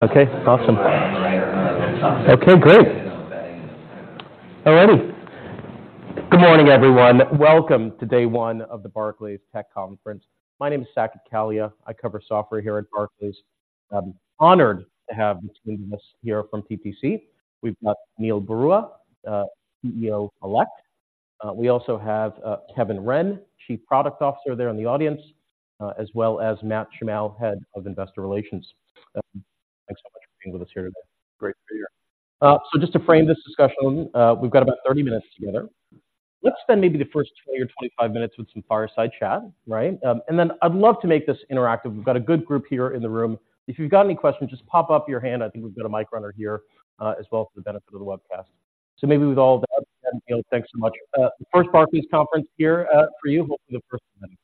Okay, awesome. Okay, great. All righty. Good morning, everyone. Welcome to day one of the Barclays Tech Conference. My name is Saket Kalia. I cover software here at Barclays. I'm honored to have between us here from PTC. We've got Neil Barua, CEO-elect. We also have Kevin Wrenn, Chief Product Officer there in the audience, as well as Matt Shimao, Head of Investor Relations. Thanks so much for being with us here today. Great to be here. So just to frame this discussion, we've got about 30 minutes together. Let's spend maybe the first 20 or 25 minutes with some fireside chat, right? And then I'd love to make this interactive. We've got a good group here in the room. If you've got any questions, just pop up your hand. I think we've got a mic runner here, as well, for the benefit of the webcast. So maybe with all that, then, Neil, thanks so much. The first Barclays conference here, for you, hoping the first of many.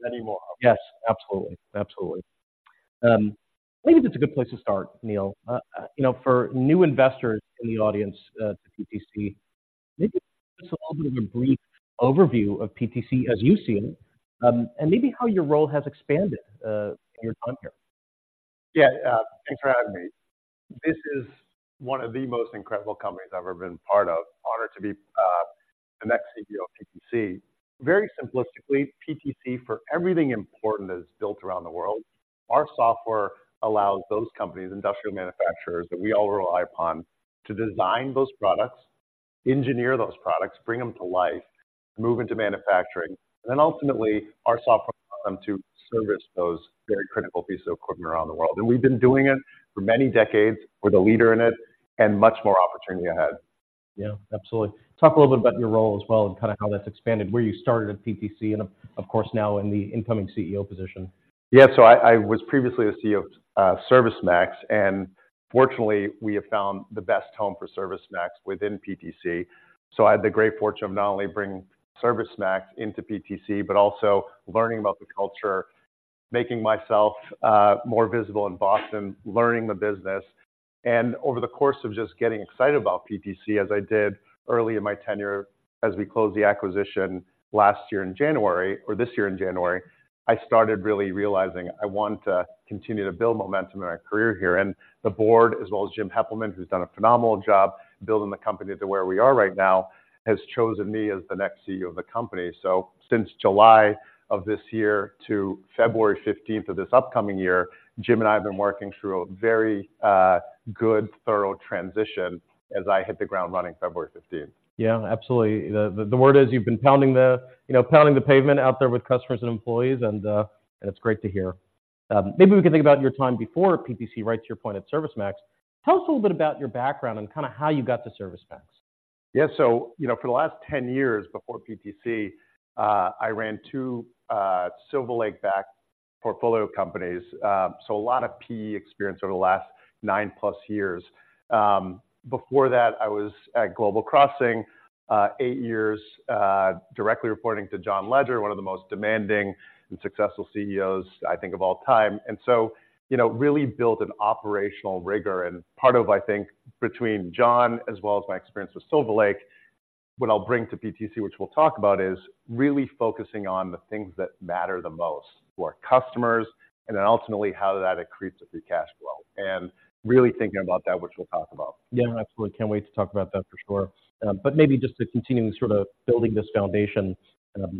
Many more. Yes, absolutely. Absolutely. Maybe it's a good place to start, Neil. You know, for new investors in the audience, to PTC, maybe give us a little bit of a brief overview of PTC as you see it, and maybe how your role has expanded, in your time here. Yeah, thanks for having me. This is one of the most incredible companies I've ever been part of. Honored to be the next CEO of PTC. Very simplistically, PTC, for everything important that is built around the world, our software allows those companies, industrial manufacturers, that we all rely upon, to design those products, engineer those products, bring them to life, move into manufacturing, and then ultimately, our software allows them to service those very critical pieces of equipment around the world. And we've been doing it for many decades. We're the leader in it, and much more opportunity ahead. Yeah, absolutely. Talk a little bit about your role as well, and kind of how that's expanded, where you started at PTC, and of, of course, now in the incoming CEO position. Yeah. So I, I was previously the CEO of ServiceMax, and fortunately, we have found the best home for ServiceMax within PTC. So I had the great fortune of not only bringing ServiceMax into PTC, but also learning about the culture, making myself more visible in Boston, learning the business. And over the course of just getting excited about PTC, as I did early in my tenure, as we closed the acquisition last year in January, or this year in January, I started really realizing I want to continue to build momentum in my career here, and the board, as well as Jim Heppelmann, who's done a phenomenal job building the company to where we are right now, has chosen me as the next CEO of the company. Since July of this year to February fifteenth of this upcoming year, Jim and I have been working through a very good, thorough transition as I hit the ground running February fifteenth. Yeah, absolutely. The word is you've been pounding the pavement out there with customers and employees, you know, and it's great to hear. Maybe we can think about your time before PTC, right to your point at ServiceMax. Tell us a little bit about your background and kind of how you got to ServiceMax. Yeah. So, you know, for the last 10 years before PTC, I ran two Silver Lake-backed portfolio companies. So a lot of PE experience over the last 9+ years. Before that, I was at Global Crossing 8 years, directly reporting to John Legere, one of the most demanding and successful CEOs, I think, of all time. And so, you know, really built an operational rigor and part of, I think, between John as well as my experience with Silver Lake, what I'll bring to PTC, which we'll talk about, is really focusing on the things that matter the most to our customers, and then ultimately, how that accretes the free cash flow. And really thinking about that, which we'll talk about. Yeah, absolutely. Can't wait to talk about that for sure. But maybe just to continue sort of building this foundation,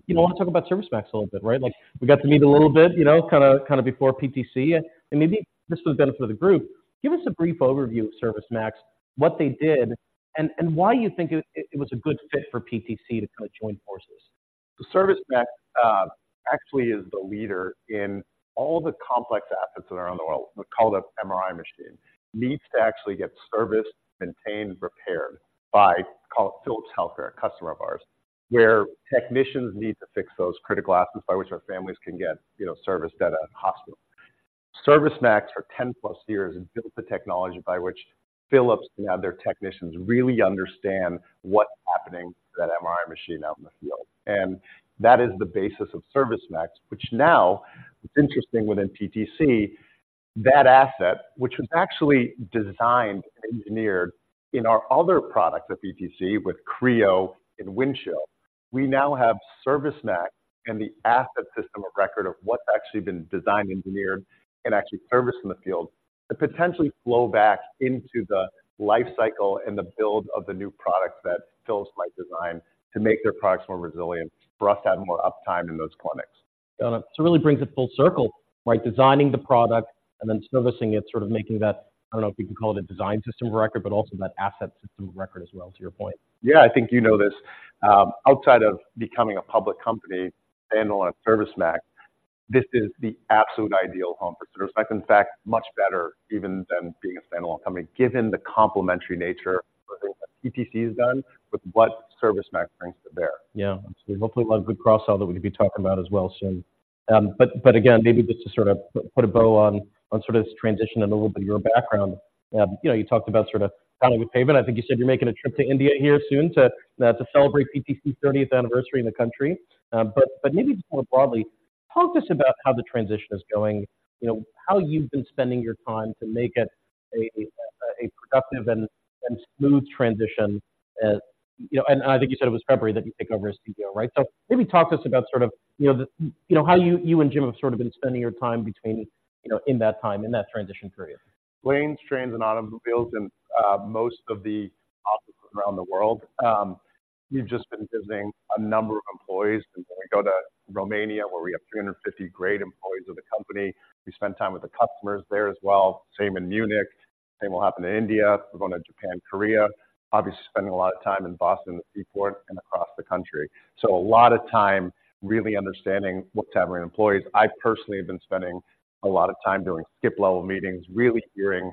you know, I want to talk about ServiceMax a little bit, right? Like, we got to meet a little bit, you know, kind of, kind of before PTC, and, and maybe this for the benefit of the group. Give us a brief overview of ServiceMax, what they did, and, and why you think it, it, it was a good fit for PTC to kind of join forces. So ServiceMax actually is the leader in all the complex assets that are around the world. We call it an MRI machine that needs to actually get serviced, maintained, repaired by Philips Healthcare, a customer of ours, where technicians need to fix those critical assets by which our families can get, you know, serviced at a hospital. ServiceMax, for 10+ year, has built the technology by which Philips can have their technicians really understand what's happening to that MRI machine out in the field. That is the basis of ServiceMax, which now, it's interesting within PTC, that asset, which was actually designed and engineered in our other products at PTC with Creo and Windchill. We now have ServiceMax and the asset system of record of what's actually been designed, engineered, and actually serviced in the field, to potentially flow back into the life cycle and the build of the new products that Philips might design to make their products more resilient, for us to have more uptime in those clinics. Got it. So it really brings it full circle, by designing the product and then servicing it, sort of making that, I don't know if you can call it a design system of record, but also that asset system of record as well, to your point. Yeah, I think you know this. Outside of becoming a public company, standalone ServiceMax, this is the absolute ideal home for ServiceMax. In fact, much better even than being a standalone company, given the complementary nature of the things that PTC has done with what ServiceMax brings to bear. Yeah, absolutely. Hopefully, a lot of good cross-sell that we can be talking about as well soon. But again, maybe just to sort of put a bow on sort of this transition and a little bit of your background. You know, you talked about sort of pounding the pavement. I think you said you're making a trip to India here soon to celebrate PTC thirtieth anniversary in the country. But maybe just more broadly, talk to us about how the transition is going, you know, how you've been spending your time to make it a productive and smooth transition as, you know, and I think you said it was February that you take over as CEO, right? So, maybe talk to us about sort of, you know, you know, how you and Jim have sort of been spending your time between, you know, in that time, in that transition period. Planes, trains, and automobiles, and most of the offices around the world. We've just been visiting a number of employees. When we go to Romania, where we have 350 great employees of the company, we spend time with the customers there as well. Same in Munich, same will happen in India. We're going to Japan, Korea. Obviously, spending a lot of time in Boston at Seaport and across the country. So a lot of time really understanding what's happening with employees. I personally have been spending a lot of time doing skip-level meetings, really hearing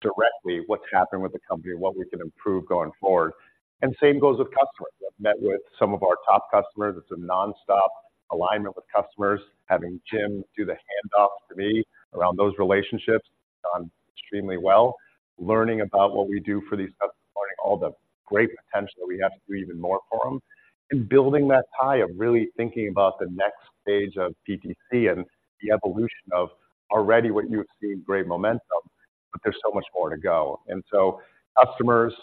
directly what's happening with the company and what we can improve going forward. Same goes with customers. I've met with some of our top customers. It's a nonstop alignment with customers, having Jim do the handoffs for me around those relationships, done extremely well. Learning about what we do for these customers, learning all the great potential that we have to do even more for them, and building that tie of really thinking about the next stage of PTC and the evolution of already what you have seen, great momentum, but there's so much more to go. And so customers,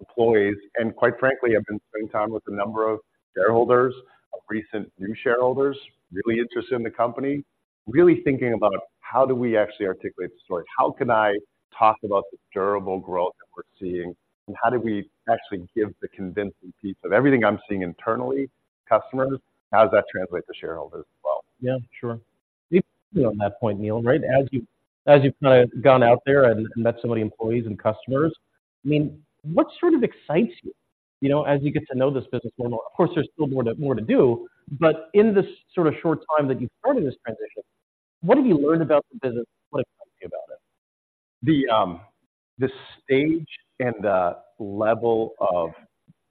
employees, and quite frankly, I've been spending time with a number of shareholders, of recent new shareholders, really interested in the company, really thinking about how do we actually articulate the story? How can I talk about the durable growth that we're seeing, and how do we actually give the convincing piece of everything I'm seeing internally, customers, how does that translate to shareholders as well? Yeah, sure. On that point, Neil, right, as you, as you've kind of gone out there and met so many employees and customers, I mean, what sort of excites you, you know, as you get to know this business more and more? Of course, there's still more to do, but in this sort of short time that you've started this transition, what have you learned about the business? What excites you about it? The stage and the level of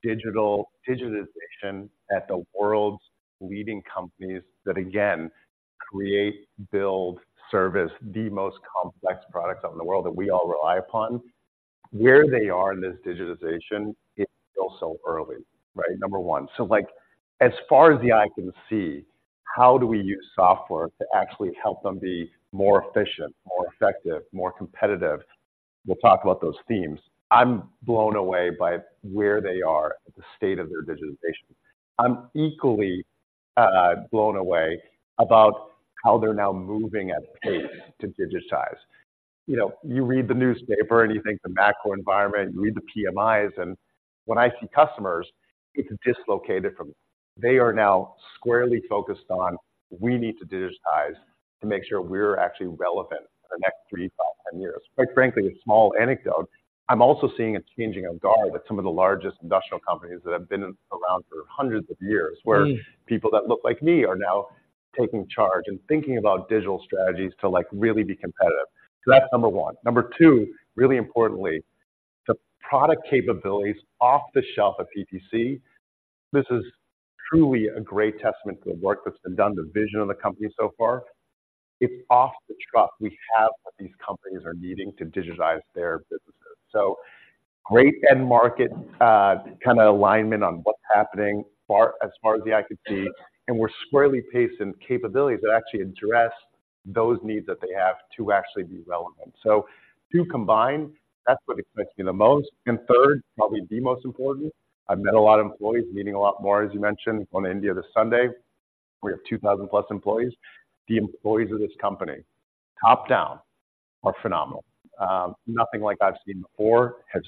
digitization at the world's leading companies that, again, create, build, service, the most complex products out in the world that we all rely upon. Where they are in this digitization, it feels so early, right? Number 1. So, like, as far as the eye can see, how do we use software to actually help them be more efficient, more effective, more competitive? We'll talk about those themes. I'm blown away by where they are at the state of their digitization. I'm equally blown away about how they're now moving at pace to digitize. You know, you read the newspaper, and you think the macro environment, you read the PMIs, and when I see customers, it's dislocated from. They are now squarely focused on: "We need to digitize to make sure we're actually relevant in the next three, five, 10 years." Quite frankly, a small anecdote, I'm also seeing a changing of guard with some of the largest industrial companies that have been around for hundreds of years. Hmm. Where people that look like me are now taking charge and thinking about digital strategies to, like, really be competitive. So that's Number 1. Number 2, really importantly, the product capabilities off the shelf at PTC, this is truly a great testament to the work that's been done, the vision of the company so far. It's off the truck. We have what these companies are needing to digitize their businesses. So great end market, kind of alignment on what's happening, far, as far as the eye can see, and we're squarely paced in capabilities that actually address those needs that they have to actually be relevant. So two combined, that's what excites me the most. And third, probably the most important, I've met a lot of employees, meeting a lot more, as you mentioned, going to India this Sunday. We have 2,000+ employees. The employees of this company, top down, are phenomenal. Nothing like I've seen before have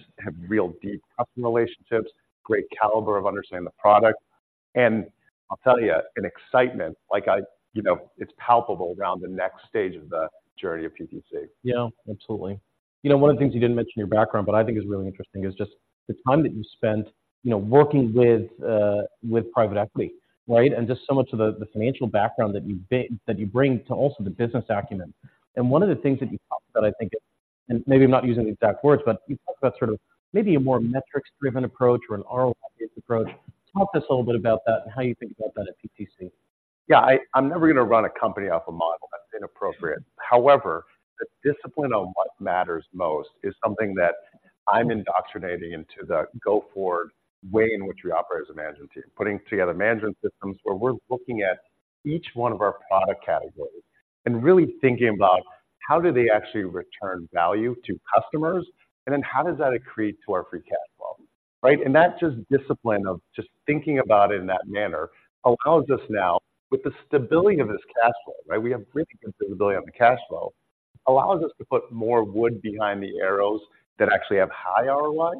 real deep customer relationships, great caliber of understanding the product, and I'll tell you, an excitement like you know, it's palpable around the next stage of the journey of PTC. Yeah, absolutely. You know, one of the things you didn't mention in your background, but I think is really interesting, is just the time that you spent, you know, working with with private equity, right? And just so much of the financial background that you bring, that you bring to also the business acumen. And one of the things that you talked about, I think, and maybe I'm not using the exact words, but you talked about sort of maybe a more metrics-driven approach or an ROI-based approach. Talk to us a little bit about that and how you think about that at PTC. Yeah, I, I'm never gonna run a company off a model. That's inappropriate. However, the discipline on what matters most is something that I'm indoctrinating into the go-forward way in which we operate as a management team. Putting together management systems, where we're looking at each one of our product categories and really thinking about how do they actually return value to customers, and then how does that accrete to our Free Cash Flow, right? That just discipline of just thinking about it in that manner allows us now, with the stability of this cash flow, right. We have really good stability of the cash flow. It allows us to put more wood behind the arrows that actually have high ROI,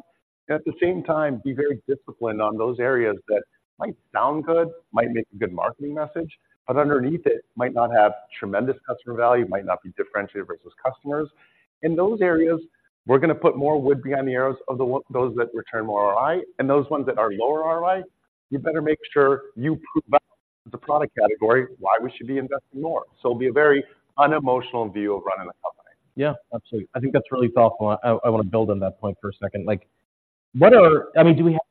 and at the same time be very disciplined on those areas that might sound good, might make a good marketing message, but underneath it might not have tremendous customer value, might not be differentiated versus customers. In those areas, we're gonna put more wood behind the arrows of those that return more ROI, and those ones that are lower ROI. You better make sure you prove the product category, why we should be investing more. It'll be a very unemotional view of running a company. Yeah, absolutely. I think that's really thoughtful, and I wanna build on that point for a second. Like, what are. I mean, do we have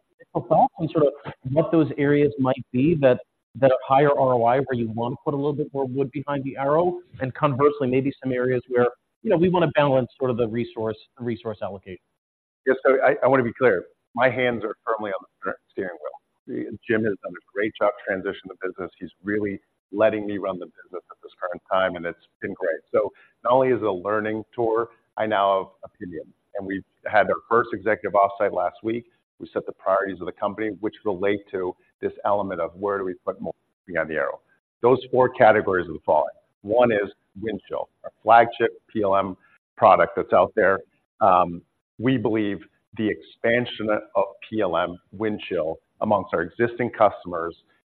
any sort of what those areas might be that are higher ROI, where you want to put a little bit more wood behind the arrow, and conversely, maybe some areas where, you know, we want to balance sort of the resource allocation? .Yes, so I, I want to be clear, my hands are firmly on the steering wheel. Jim has done a great job transitioning the business. He's really letting me run the business at this current time, and it's been great. So not only is it a learning tour, I now have opinion, and we had our first executive offsite last week. We set the priorities of the company, which relate to this element of where do we put more on the arrow? Those four categories are the following: One is Windchill, our flagship PLM product that's out there. We believe the expansion of PLM Windchill among our existing customers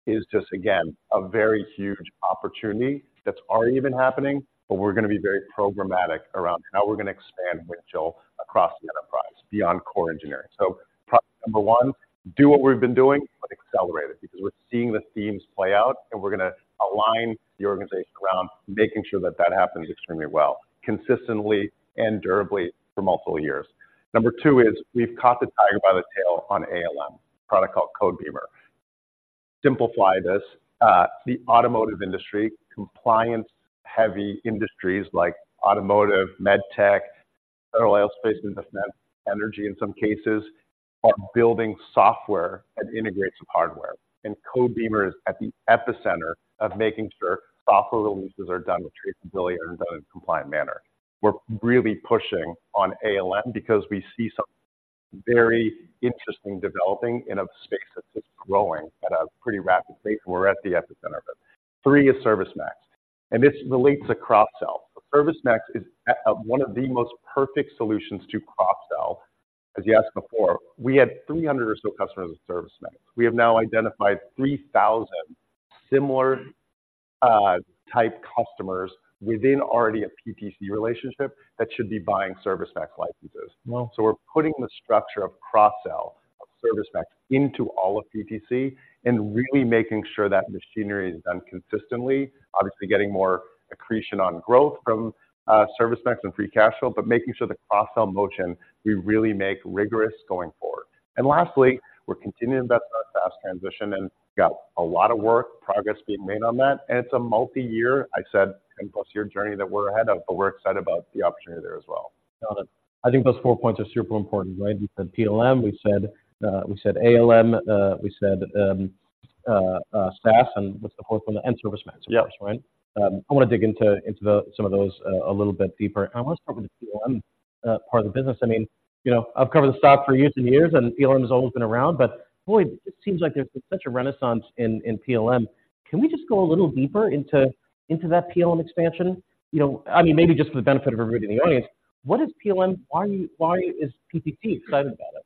is just, again, a very huge opportunity that's already even happening, but we're gonna be very programmatic around how we're gonna expand Windchill across the enterprise, beyond core engineering. So product Number 1, do what we've been doing, but accelerate it, because we're seeing the themes play out, and we're gonna align the organization around making sure that that happens extremely well, consistently and durably for multiple years. Number 2 is we've caught the tiger by the tail on ALM, a product called Codebeamer. Simplify this, the automotive industry, compliance-heavy industries like automotive, med tech, oil, space, defense, energy, in some cases, are building software that integrates with hardware. And Codebeamer is at the epicenter of making sure software releases are done with traceability and done in a compliant manner. We're really pushing on ALM because we see something very interesting developing in a space that's just growing at a pretty rapid pace, and we're at the epicenter of it. Three is ServiceMax, and this relates to cross-sell. ServiceMax is at one of the most perfect solutions to cross-sell. As you asked before, we had 300 or so customers with ServiceMax. We have now identified 3,000 similar type customers within already a PTC relationship that should be buying ServiceMax licenses. Well. So we're putting the structure of cross-sell of ServiceMax into all of PTC and really making sure that machinery is done consistently, obviously getting more accretion on growth from ServiceMax and free cash flow, but making sure the cross-sell motion, we really make rigorous going forward. And lastly, we're continuing to invest in our SaaS transition, and we've got a lot of work, progress being made on that, and it's a multi-year, I said, 10+ year journey that we're ahead of, but we're excited about the opportunity there as well. Got it. I think those four points are super important, right? We said PLM, we said, we said ALM, we said, SaaS, and what's the fourth one? And ServiceMax. Yep. Of course, right? I want to dig into some of those a little bit deeper. I want to start with the PLM part of the business. I mean, you know, I've covered the stock for years and years, and PLM has always been around, but boy, it seems like there's such a renaissance in PLM. Can we just go a little deeper into that PLM expansion? You know, I mean, maybe just for the benefit of everybody in the audience, what is PLM? Why is PTC excited about it?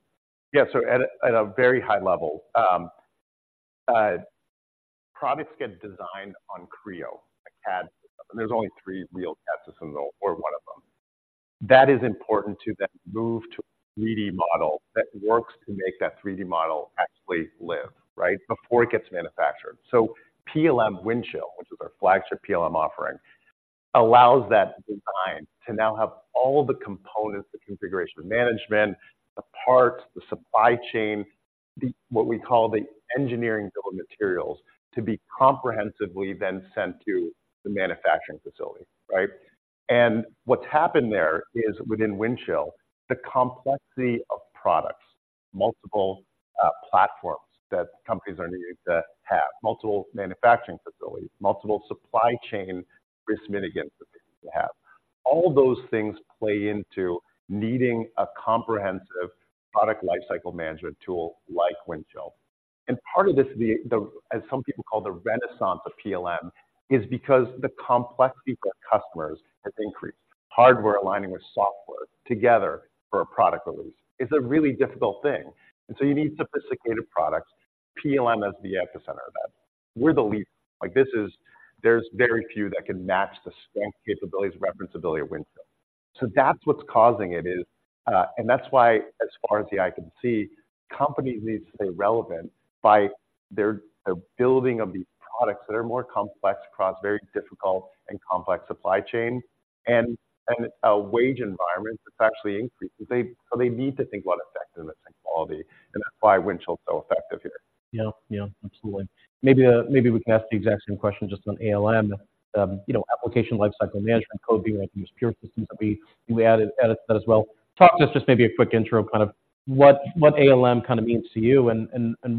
Yeah, so at a very high level, products get designed on Creo, a CAD system, and there's only three real CAD systems, or one of them. That is important to then move to a 3D model that works to make that 3D model actually live, right? Before it gets manufactured. So PLM Windchill, which is our flagship PLM offering, allows that design to now have all the components, the configuration management, the parts, the supply chain, the, what we call the engineering bill of materials, to be comprehensively then sent to the manufacturing facility, right? And what's happened there is within Windchill, the complexity of products, multiple platforms that companies are needing to have, multiple manufacturing facilities, multiple supply chain risk mitigants that they have. All those things play into needing a comprehensive product lifecycle management tool like Windchill. Part of this, as some people call the renaissance of PLM, is because the complexity for customers has increased. Hardware aligning with software together for a product release is a really difficult thing, and so you need sophisticated products. PLM is the epicenter of that. We're the leader. Like, there's very few that can match the strength, capabilities, and referenceability of Windchill. So that's what's causing it, and that's why, as far as the eye can see, companies need to stay relevant by their building of these products that are more complex across very difficult and complex supply chain, and a wage environment that's actually increasing. So they need to think about effectiveness and quality, and that's why Windchill is so effective here. Yeah, yeah, absolutely. Maybe, maybe we can ask the exact same question just on ALM, you know, application lifecycle management, Codebeamer. I think there's pure-systems that we added to that as well. Talk to us, just maybe a quick intro, kind of what ALM kind of means to you and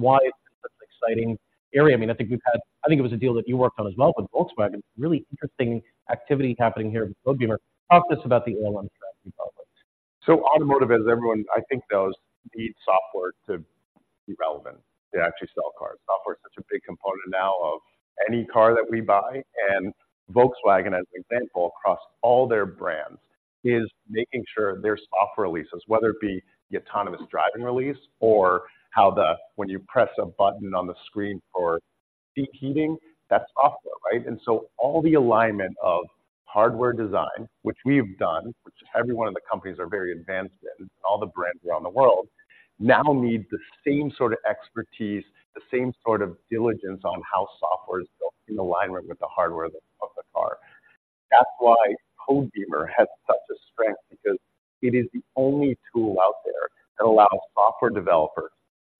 why it's such an exciting area. I mean, I think we've had. I think it was a deal that you worked on as well with Volkswagen. Really interesting activity happening here with Codebeamer. Talk to us about the ALM strategy public. So automotive, as everyone I think knows, needs software to be relevant, to actually sell cars. Software is such a big component now of any car that we buy, and Volkswagen, as an example, across all their brands, is making sure their software releases, whether it be the autonomous driving release or how the, when you press a button on the screen for seat heating, that's software, right? And so all the alignment of hardware design, which we've done, which every one of the companies are very advanced in, all the brands around the world, now need the same sort of expertise, the same sort of diligence on how software is built in alignment with the hardware that's of the car. That's why Codebeamer has such a strength, because it is the only tool out there that allows software developers.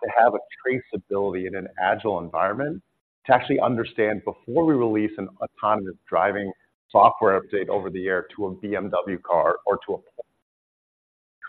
To have a traceability in an agile environment, to actually understand before we release an autonomous driving software update over the air to a BMW car or to a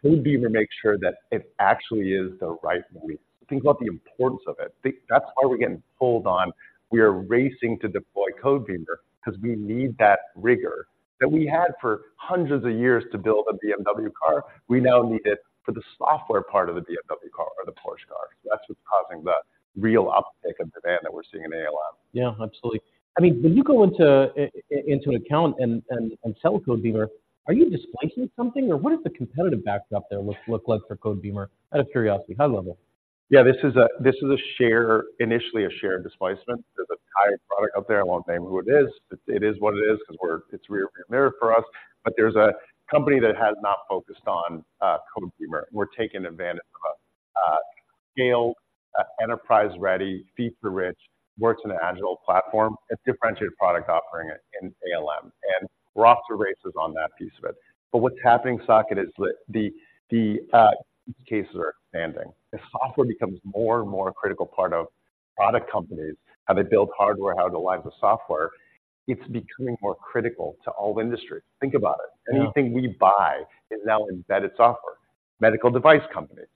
Codebeamer, make sure that it actually is the right move. Think about the importance of it. Think. That's why we're getting pulled on. We are racing to deploy Codebeamer because we need that rigor that we had for hundreds of years to build a BMW car. We now need it for the software part of the BMW car or the Porsche car. That's what's causing the real uptick in demand that we're seeing in ALM. Yeah, absolutely. I mean, when you go into an account and sell a Codebeamer, are you displacing something, or what does the competitive backdrop there look like for Codebeamer? Out of curiosity, high level. Yeah, this is a share, initially a share displacement. There's an entire product out there. I won't name who it is. It is what it is, because we're, it's rearview mirror for us, but there's a company that has not focused on Codebeamer. We're taking advantage of them. Scale, enterprise ready, feature-rich, works in an agile platform. It's differentiated product offering in ALM, and we're off to the races on that piece of it. But what's happening, Saket, is that the use cases are expanding. As software becomes more and more critical part of product companies, how they build hardware, how to live the software, it's becoming more critical to all industries. Think about it. Yeah. Anything we buy is now embedded software. Medical device companies,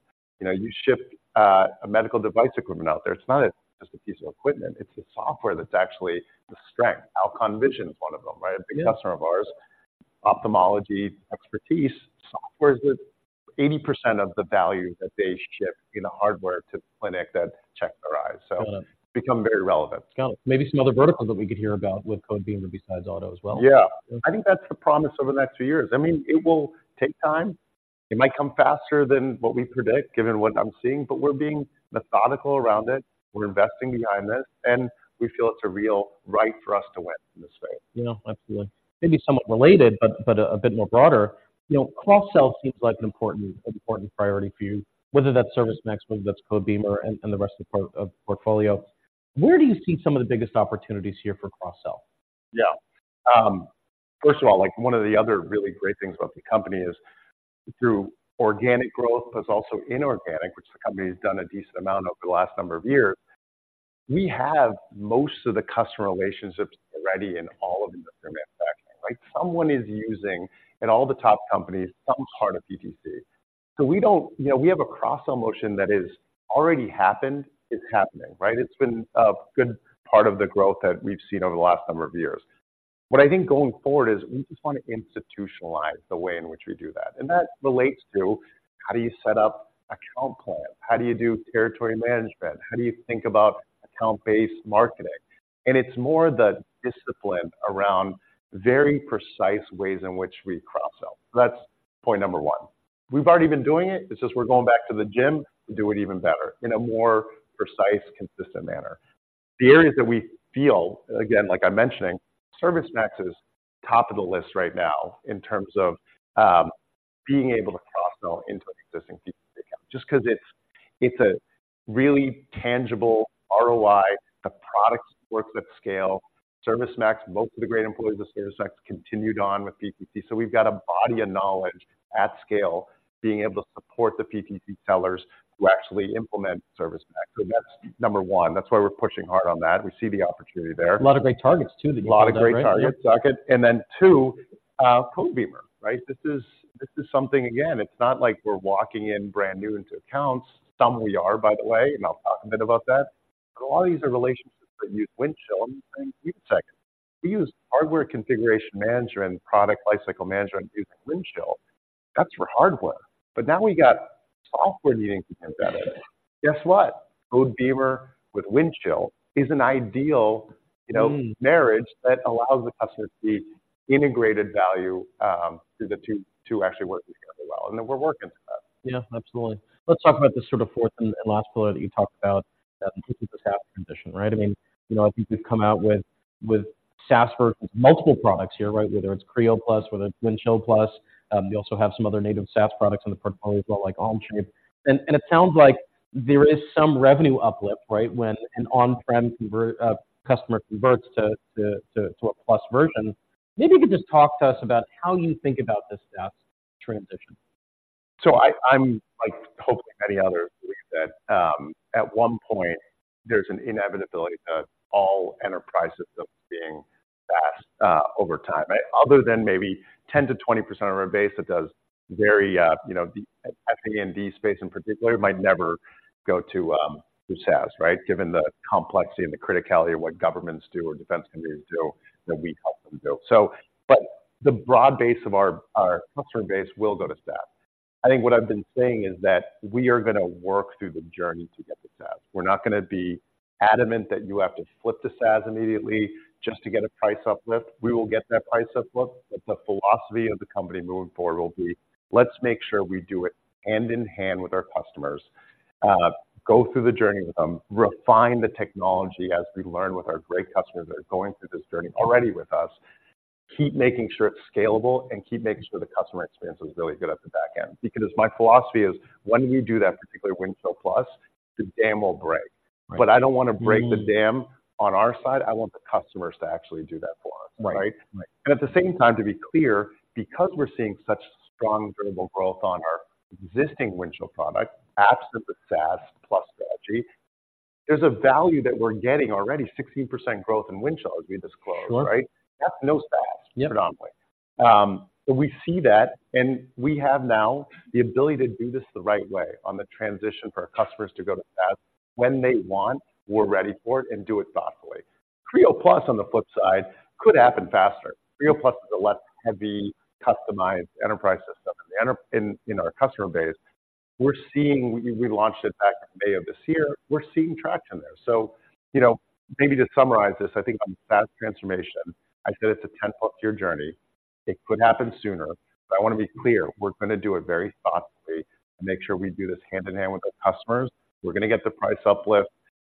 you know, you ship, a medical device equipment out there, it's not just a piece of equipment, it's the software that's actually the strength. Alcon is one of them, right? Yeah. A big customer of ours. Ophthalmology expertise, software is with 80% of the value that they ship in the hardware to the clinic that checks their eyes. Got it. Become very relevant. Got it. Maybe some other verticals that we could hear about with Codebeamer besides auto as well? Yeah. I think that's the promise over the next few years. I mean, it will take time. It might come faster than what we predict, given what I'm seeing, but we're being methodical around it. We're investing behind this, and we feel it's a real right for us to win in this space. Yeah, absolutely. Maybe somewhat related, but a bit more broader, you know, cross-sell seems like an important, important priority for you, whether that's ServiceMax, whether that's Codebeamer, and the rest of the portfolio. Where do you see some of the biggest opportunities here for cross-sell? Yeah. First of all, like, one of the other really great things about the company is through organic growth, but it's also inorganic, which the company has done a decent amount over the last number of years. We have most of the customer relationships already in all of industrial manufacturing. Like, someone is using, in all the top companies, some part of PTC. So we don't. You know, we have a cross-sell motion that is already happened. It's happening, right? It's been a good part of the growth that we've seen over the last number of years. What I think going forward is we just want to institutionalize the way in which we do that, and that relates to: How do you set up account plans? How do you do territory management? How do you think about account-based marketing? And it's more the discipline around very precise ways in which we cross-sell. That's point Number 1. We've already been doing it, it's just we're going back to the gym to do it even better in a more precise, consistent manner. The areas that we feel, again, like I'm mentioning, ServiceMax is top of the list right now in terms of being able to cross-sell into an existing PTC account. Just because it's, it's a really tangible ROI, the product supports at scale. ServiceMax, most of the great employees of ServiceMax continued on with PTC, so we've got a body of knowledge at scale being able to support the PTC sellers to actually implement ServiceMax. So that's Number 1. That's why we're pushing hard on that. We see the opportunity there. A lot of great targets, too, that you. A lot of great targets, Saket. And then too, Codebeamer, right? This is, this is something. Again, it's not like we're walking in brand new into accounts. Some we are, by the way, and I'll talk a bit about that. But a lot of these are relationships that use Windchill, and we say, "Wait a second. We use hardware configuration management, product lifecycle management using Windchill. That's for hardware, but now we got software needing to be embedded." Guess what? Codebeamer with Windchill is an ideal, you know. Mm Marriage that allows the customer to see integrated value, through the two, two actually working together well, and we're working to that. Yeah, absolutely. Let's talk about this sort of fourth and last pillar that you talked about, which is the SaaS transition, right? I mean, you know, I think you've come out with SaaS for multiple products here, right? Whether it's Creo+, whether it's Windchill+. You also have some other native SaaS products in the portfolio as well, like Onshape. And it sounds like there is some revenue uplift, right? When an on-prem customer converts to a plus version. Maybe you could just talk to us about how you think about this SaaS transition. So I, I'm like, hopefully, many others believe that, at one point, there's an inevitability that all enterprise systems being SaaS, over time, right? Other than maybe 10%-20% of our base that does very, you know, the A&D space in particular, might never go to, to SaaS, right? Given the complexity and the criticality of what governments do or defense companies do, that we help them build. So, but the broad base of our, our customer base will go to SaaS. I think what I've been saying is that we are going to work through the journey to get to SaaS. We're not going to be adamant that you have to flip to SaaS immediately just to get a price uplift. We will get that price uplift, but the philosophy of the company moving forward will be, let's make sure we do it hand in hand with our customers. Go through the journey with them, refine the technology as we learn with our great customers that are going through this journey already with us, keep making sure it's scalable, and keep making sure the customer experience is really good at the back end. Because my philosophy is, when you do that, particularly Windchill+, the dam will break, but I don't want to break the dam on our side. I want the customers to actually do that for us, right? Right, right. At the same time, to be clear, because we're seeing such strong durable growth on our existing Windchill product, apps with the SaaS plus strategy, there's a value that we're getting already, 16% growth in Windchill, as we disclosed, right? Sure. That's no SaaS. Yep. Predominantly. But we see that, and we have now the ability to do this the right way on the transition for our customers to go to SaaS. When they want, we're ready for it and do it thoughtfully. Creo+, on the flip side, could happen faster. Mm-hmm. Creo+ is a less heavy, customized enterprise system. In our customer base, we're seeing. We launched it back in May of this year. We're seeing traction there. So, you know, maybe to summarize this, I think on the SaaS transformation, I said it's a 10+ year journey. It could happen sooner, but I want to be clear, we're going to do it very thoughtfully and make sure we do this hand in hand with our customers. We're going to get the price uplift.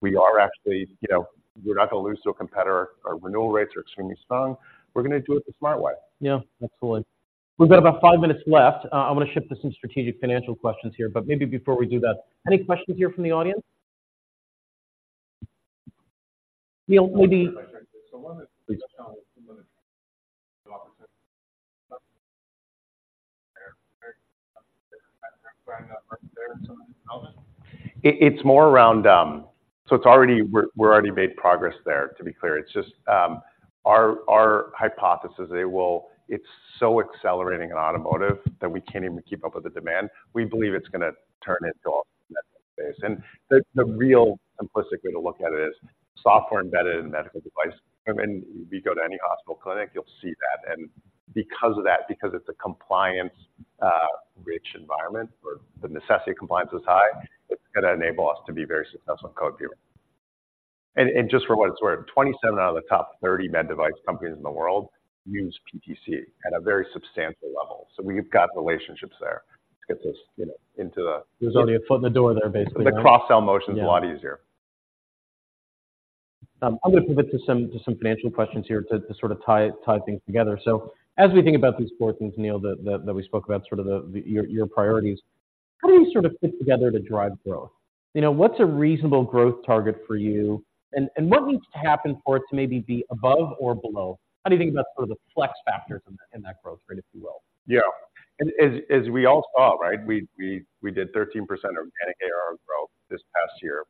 We are actually, you know, we're not going to lose to a competitor. Our renewal rates are extremely strong. We're going to do it the smart way. Yeah, absolutely. We've got about five minutes left. I want to shift to some strategic financial questions here, but maybe before we do that, any questions here from the audience? Neil, maybe. I wonder. Please. It's more around. So we're already made progress there, to be clear. It's just our hypothesis it will, it's so accelerating in automotive that we can't even keep up with the demand. We believe it's going to turn into a medical space. And the real simplistic way to look at it is, software embedded in a medical device. I mean, if you go to any hospital clinic, you'll see that. And because of that, because it's a compliance rich environment, where the necessity of compliance is high, it's going to enable us to be very successful in Codebeamer. And just for what it's worth, 27 out of the top 30 med device companies in the world use PTC at a very substantial level. So we've got relationships there to get this, you know, into the. There's already a foot in the door there, basically, right? The Cross-sell motion is a lot easier. I'm going to pivot to some financial questions here to sort of tie things together. So as we think about these four things, Neil, that we spoke about, sort of your priorities, how do you sort of fit together to drive growth? You know, what's a reasonable growth target for you, and what needs to happen for it to maybe be above or below? How do you think about sort of the flex factors in that growth rate, if you will? Yeah. And as we all saw, right, we did 13% of organic ARR growth this past year.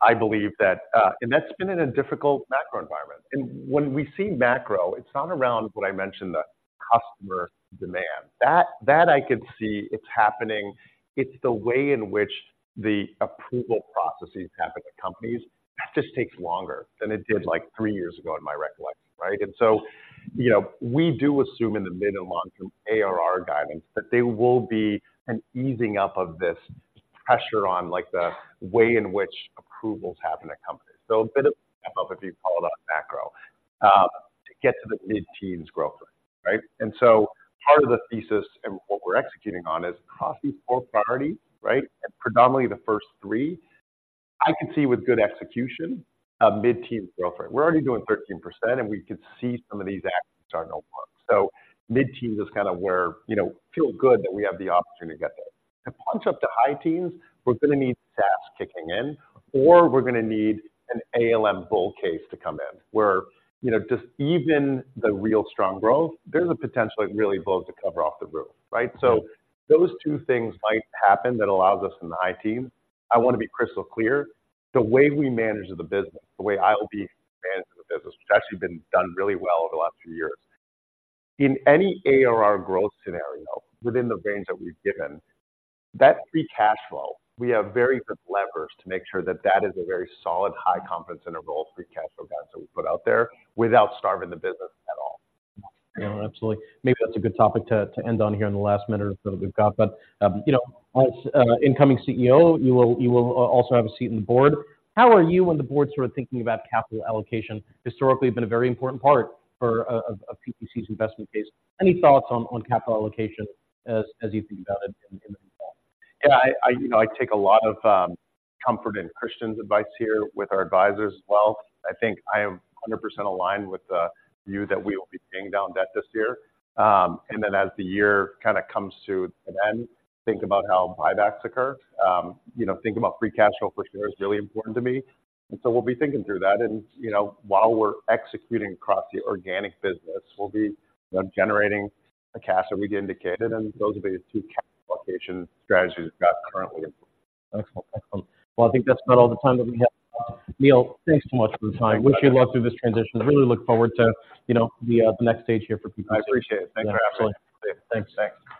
I believe that. And that's been in a difficult macro environment. And when we see macro, it's not around what I mentioned, the customer demand. That I could see it's happening. It's the way in which the approval processes happen at companies. That just takes longer than it did, like, three years ago, in my recollection, right? And so, you know, we do assume in the mid- and long-term ARR guidance, that there will be an easing up of this pressure on, like, the way in which approvals happen at companies. So a bit of a step up, if you call it, on macro, to get to the mid-teens growth rate, right? Part of the thesis and what we're executing on is across these four priorities, right? Predominantly the first three, I could see with good execution a mid-teen growth rate. We're already doing 13%, and we could see some of these actions start to work. So mid-teens is kind of where, you know, feel good that we have the opportunity to get there. To punch up to high teens, we're going to need SaaS kicking in, or we're going to need an ALM bull case to come in, where, you know, just even the real strong growth, there's a potential it really blows the cover off the roof, right? So those two things might happen that allows us in the high teens. I want to be crystal clear, the way we manage the business, the way I will be managing the business, which has actually been done really well over the last few years. In any ARR growth scenario, within the range that we've given, that Free Cash Flow, we have very good levers to make sure that that is a very solid, high confidence interval, Free Cash Flow guidance that we put out there, without starving the business at all. Yeah, absolutely. Maybe that's a good topic to end on here in the last minute or so that we've got. But you know, as incoming CEO, you will also have a seat on the board. How are you and the board sort of thinking about capital allocation? Historically, been a very important part of PTC's investment case. Any thoughts on capital allocation as you think about it in the fall? Yeah, I, you know, I take a lot of comfort in Kristian's advice here, with our advisors as well. I think I am 100% aligned with the view that we will be paying down debt this year. And then as the year kind of comes to an end, think about how buybacks occur. You know, thinking about free cash flow per share is really important to me, and so we'll be thinking through that. And, you know, while we're executing across the organic business, we'll be, you know, generating the cash that we indicated, and those will be the two capital allocation strategies we've got currently in place. Excellent. Excellent. Well, I think that's about all the time that we have. Neil, thanks so much for the time. Thank you. Wish you luck through this transition. I really look forward to, you know, the next stage here for PTC. I appreciate it. Thanks for having me. Absolutely. Thanks. Thanks.